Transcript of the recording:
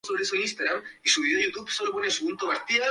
Los estándares "de facto" son la antítesis de los estándares "de iure".